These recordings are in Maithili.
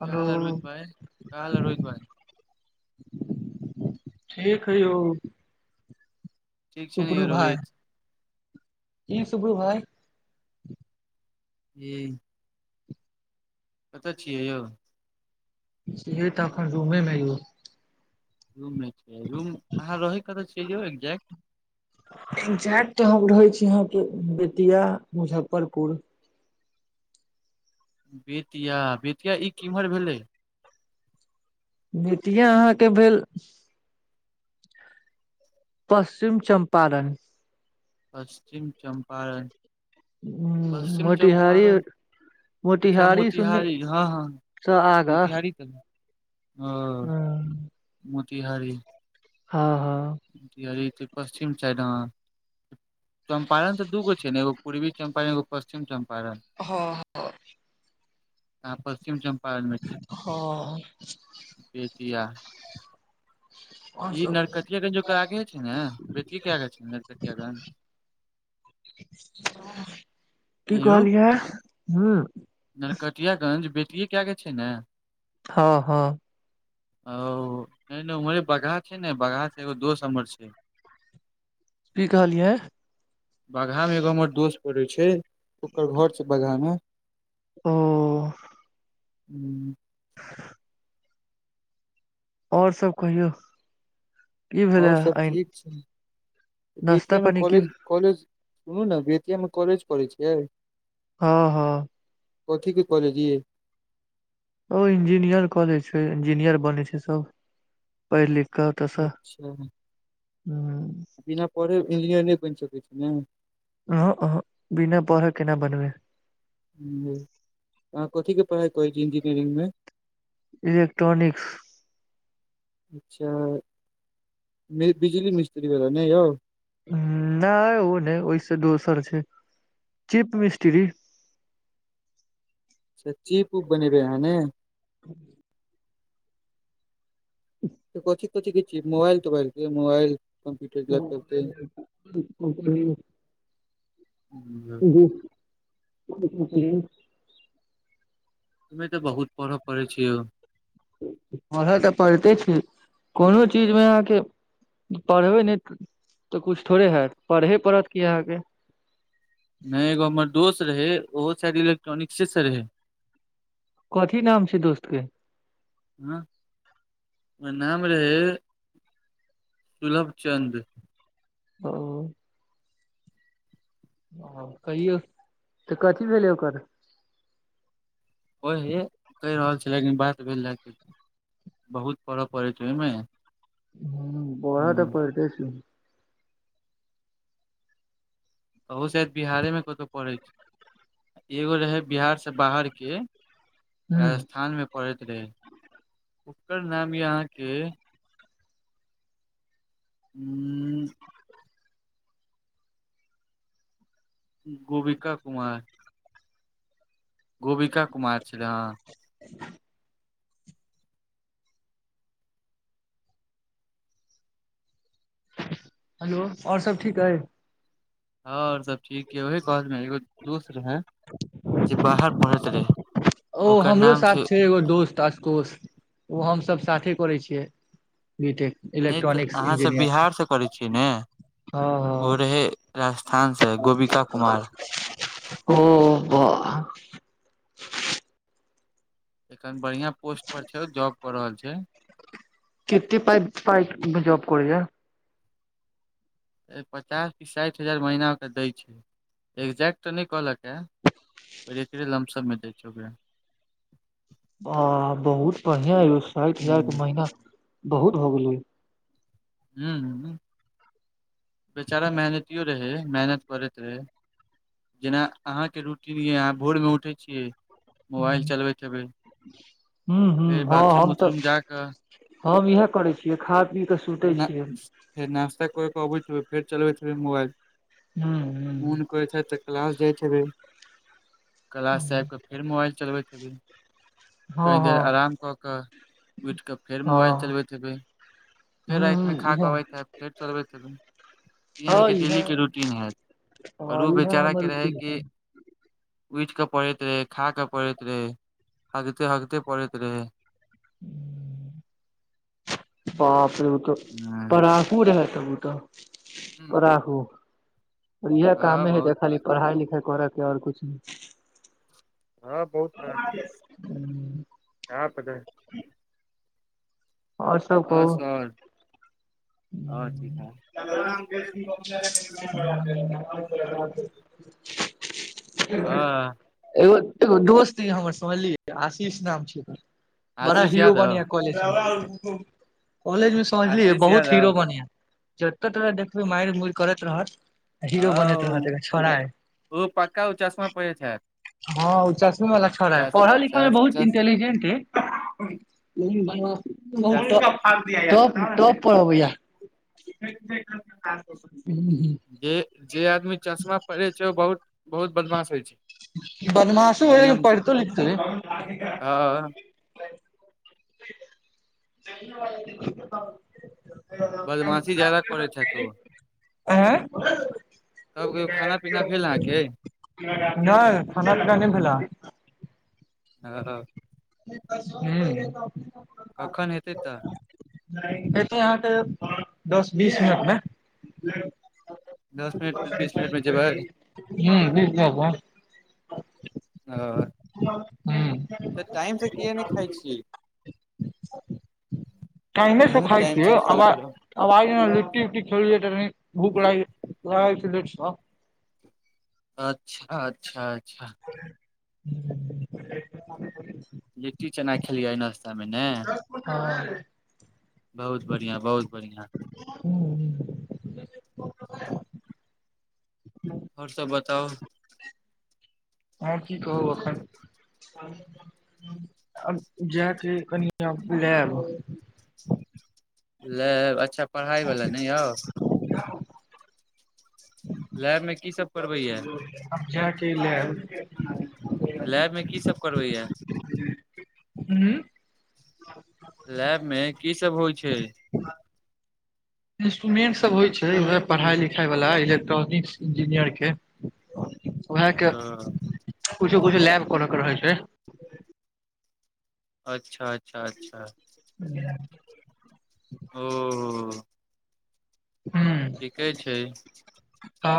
क्या हलो हाल है रोहित भाई का हाल है रोहित भाई ठीक हैइ यौ ठीक छी न यौ सुपरू भाय रोहित की सुब्रू भाई जी कतऽ छियै यौ छिये तऽ अखन रूमे मे यौ रूम मे छियै रूम अहाँ रहै कतऽ छियै यौ एग्जेक्ट लेकिन जाइत तऽ हम रहै छी यहाँके बेतिया मुजफ्फरपुर बेतिया बेतिया ई किम्हर भेलै बेतिया अहाँकेँ भेल पश्चिम चम्पारण पश्चिम चम्पारण हूँ पश्चिम मोतीहारी चम्पारण अच्छा मोतिहारी हँ हँ सँ आगाँ मोतिहारी तऽ ओ हूँ, मोतिहारी हँ हँ मोतिहारी तऽ पश्चिम साइड नऽ चम्पारण तऽ दूगो छै नऽ एगो पूर्वी चम्पारण एगो पश्चिम चम्पारण हँ हँ अहाँ पश्चिम चम्पारणमे छी हँ बेतिया [inaudible] ई नरकटियागंज ओकर आगहे छै नऽ बेतियेकेँ आगे छै नऽ नरकटियागंज की यौ कहलियहै हूँ नरकटियागंज बेतियेकेँ आगे छै नऽ हँ हँ ओ नय नय उमहर बगहा छै न बगहा सँ एगो दोस हमर छै की कहलियै बगहामे एगो हमर दोस्त पड़ै छै ओकर घर छै बागहामे ओ हूँ [inaudible] आओर सभ कहियौ। की भेलै आओर सभ आइ ठीक छै, नाश्ता बीटीए मे पानी की कॉलेज। कॉलेज सुनू ने बितयामे कॉलेज पढ़ै छियै। हँ हँ कथि कि कहलेज। ओ इंजीनियर कॉलेज छै, इंजीनियर बनै छै, सभ। पहिलिख कऽ अतोसँ। अच्छा पढ़ै इन्जीनियर नहि बनि सकै छै? अहा, अहा, बिना पढ़ल केना बनबै। अहाँ कथिके पढ़ाइ करै छी इंजीनियरि मे। इलेक्ट्रॉनिक्स। अच्छा, बिजली मिस्त्री वला नहि यौ। नहि ओ नहि ओहिस दोसर छै, चीप मिस्ट्री। चीप उप बनेबै अहाँ ने। [inaudible] कथि कथि किछ मोबइल तोबइल के मोबाइल। कम्प्यूटर लैपटॉप के ह [unintelligible] ह। [unintelligible] [unintelligible] इमे तऽ बहुत पढ़ब पढ़ै छि यौ। पढ़य तऽ पढ़िते छी कोनो चीजमे अहाँकेँ। पढ़बै नहि तऽ किछु थोड़े हैत, पढ़हे पड़त कि अहाँकेँ। नहि एगो हमर दोस्त रहै, ओहो सायद इलेक्ट्रॉनिक्से रहै। कथि नाम छै, दोस्तके? ह, ओकर नाम रहै सुलभ चन्द। ओ। ओ कहियौ तऽ कथि भेलै ओकर। ओहे कहि रहल छी, लेकिन बात भेल जा छै, बहुत पऽ पढेत छै, ओहिमे अहा बौआ तऽ हम्म, पढ़ते छै। ओहो शायद बिहारे मे कतहु पढ़ै छै। एगो रहै बिहारसँ बाहर के ह राजस्थान मे। पढ़ैत रहै, ओकर नाम यऽ अहाँकेँ। हू। गोबिका कुमार। गोबिका कुमार छलै हँ। [inaudible] हेलो, और सभ ठीक अई। और सभ ठिक यऽ, ओहे कहलक एगो दोस्त रहै, जे बाहर पढ़ैत रहै। ओ हमरो साथ छैय, एगो दोस्त। आशुतेाष ओ हमसभ साथे करै छियै बीटेक। नहि तऽ अहाँ सभ बिहारसँ करै छियै ने। हँ ओ हँ रहे राजस्थान सँ गोबिका कुमार। ओ, बा। एखन बढ़िया पोस्ट पर छै, जॉब कर रहल छै। कतेक पाई पाई मे जाॅब करे याऽ। पचास कि साठि हजार महनाके दै छै एक्जैक्ट तऽ नहि कहलक हे एकरे लमसम दै छै ओकरा आ बहुत बढ़िया एो साठि हजार के ह महीना बहुत हो गेले ह्म ह बेचारा मेहनतियो रहै मेहनत करैत रहै जेना अहाँके रूटीन यऽ अहाँ भोरमे उठै छियै मोबाइल चलबैत हेबै हूँ हूँ फेर हँ बाथरूम हम तऽ उथरूम जा कऽ हम इएहे करे छीियै खा पी के फेर ना नास्ता कर के अबैत हेबै फेर चलबैत मोबाइल हू हू मोन करइ छै तऽ क्लास जाइत छै क्लाश आब कऽ फेर मोबाइल चलबै हेबै हँ कही देर हँ आराम कऽ कऽ उठि कऽ फेर मोबाइल हँ चलबैत अयबै फेर हूँ राति में हूँ खा कऽ इएह अबैत है फेर चलबैत हेबए ई हँ अहाँके इएह डेलीके रूटीन हएैत आओर हँ ओ इएह हमर बेचाराके रहय रूटीन कि छै उठि कऽ पड़ैत रहे खााक पड़ैत रहे हगते हगते पड़ैत रहे बाप रे ओ तऽ हँ पराखू रह तऽ ओ तऽ पाहू इएह हँ कामे है बहुत जे खाली फर्क पढ़ाई लिखाई कर के आओर कुछ हँ बहुत फर्क [unintelligible] [unintelligible] और सब हँ कहू सर [unintelligible] और ठीक है [unintelligible] हँ एगो एगो दोस्त य हमर समझलिय आशीष नाम छी बड़ा आशीष हीरो बन यादव कॉलेज मे समझलियै आशीष बहुत यादव जते तऽ देखबै मारि उरि करैत रहत हीरो बनत रहत हँ एगो छोड़ा ये ओ पक्का ओ चश्मा पहिरै छथि हँ ओ चासी वलाा छड़ है पढ़ा लिखा मे बहुत इंटेलिजेंट है त टोप प भैय [unintelligible] जे जे आदमी चश्मा पहिरे छै ओ बहुत बदमाश होय छै बदमाशो हैत लेकिन पढतो लिखतो रहै ह [unintelligible] बदमाासी ज्यादा करै छै तू आँ तब कहियो खाना पीना भेल अहाँके नहि खाना पिना नहि भेला आ हा हु अखन हेतै तऽ अयतै अहाँके दस बीस मिनटमे दस मिनट बीस मिनट मे जेबै ह बीस बब [unintelligible] आ ह तऽ टाइम से किए नहि खाइ छियै टाइमे से अहूँ खाय टाइम छीय से तब खायल करू आ लिट्टी उट्टी खेलीए तनी भूख ल अच्छा अच्छा अच्छा [inaudible] लिट्टी चना खेलियै आय नाश्तामे ने। हँ। बहुत बढ़िआ बहुत बढ़िआ। ह। आओर सभ बताउ। हँ, कि कहू एखन। जाके कनि लेब। लेब अच्छा, पढ़ाई वाला नहि यौ। [inaudible] लैब मे कि सभ। आब जके लेलऽ लैबमे कि सभ करबैय। हूँ लैब मे कि सभ होइ छै। इंस्ट्रमेंट सभ होइ छै, उहे पढ़ाइ लिखाइ वला इलेक्ट्रॉनिक्स इंजीनियर के। उएह के ओ कुछो कुछो लैब कोरे के रहै छै। अच्छा, अच्छा, अच्छा। [unintelligible] ओ। हुँ। ठीके छै। हा।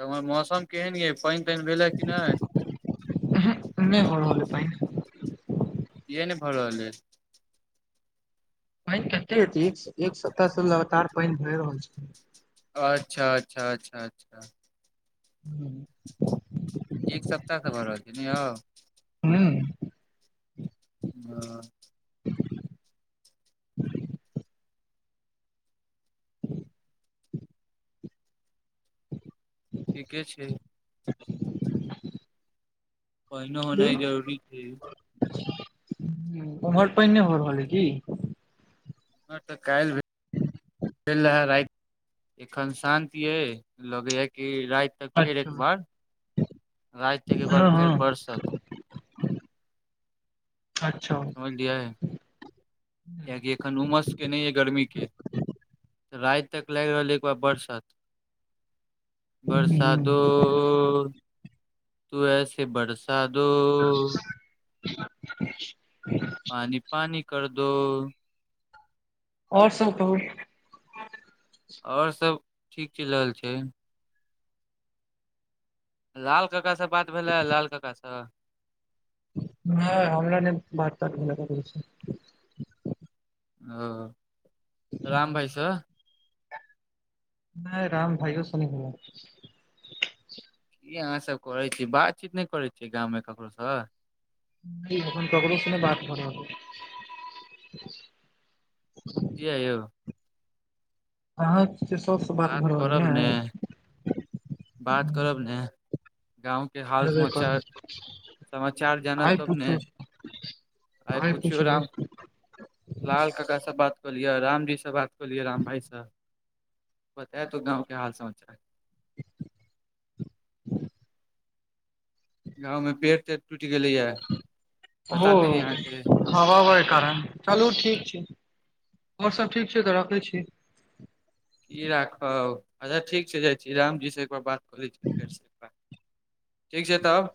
तऽ हमर मौसम केहन यइ पानि तानि भेलै कि नहि। उहु नहि भऽ रहल यै पाइन। किया ने भऽ रहल हैं। पाइन कते हेतै एक सप्ताह से लगातार पाइन भये रहल छै। अच्छा, अच्छा, अच्छा, अच्छा। हू। एक सप्ताह से भऽ रहल छै ने यौ। ह। हँ। [inaudible] [inaudible] [inaudible] ठीके छै। [inaudible] पानिओ होनाइ जरूरी छै उमर पाइन नहि हो रहलहै कि। नहि तऽ काल भऽ चऽ, रहऽ, राति एखन शान्त छै, लगे यऽ कि रऽ? तऽ फेर एक अच्छा बेर रातिमे हँ फेर हँ बरसत। अच्छा। समझै कियाकि एखन उमस केले नहि है गर्मीके राति तक लागि रहलै एक बार बरसात। बरसातो हूं तऽ ऐसे बरस। दादु। पानि पानि कर दो ओर सब कहु ओर सब ठीक चलि रहल छै लाल काका सँ बात भेलै लाल काकासँ हँ हमरा नै बात तात भेले छी ओ राम भाइसँ नय राम भाइयो सुनी है इ अहाँ सब करय छी बातचीत ने करे छियै गामव में ककरो सब ककरो सुने बात भर हब कऽ यौ अहाँ जे सबसँ बात भऽ रहलै ने बात करब ने गाँवके हाल करबे करू समाचार समाचार जानब आइ तब ने [unintelligible] आइ पुछि राम लाल काका से बात कलियए रामजी से बात कहलि राम भाइ स बताए तू गाँवके हाल समाचार गाँव में पेड़ तेड़ टुटि गेलैएा ह [inaudible] हवा बबाके कारण चलू ठीक छै हमओर सब ठीक छै तऽ रखय छी की राखब अच्छा ठीक छय जाइ छी रामजीसँ एक बार बात कऽ लै छी फेरसँ ब ठीक छय तब